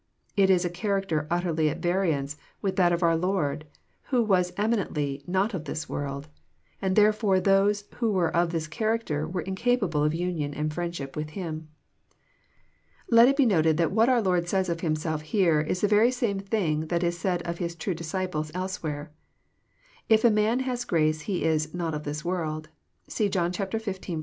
It is a character utterly at variance with that of our Lord, who was eminently not of this world ;" and therefore those who were of this character were incapable of union and friendship with Him. Let it be noted that what our Lord says of Himself here is the very same thing that is said of His true disciples elsewhere. If a man has grace he is " not of this world." (See John xv.